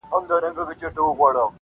پړ مي که مړ مي که -